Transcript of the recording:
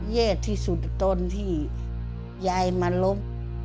แย่ที่สุดตอนที่ยายมาลบ